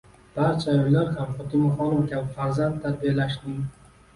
Barcha ayollar ham Fotimaxonim kabi farzand tarbiyalashning